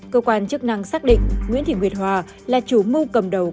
cơ quan chức năng xác định nguyễn thị nguyệt hòa là chủ mưu cầm đầu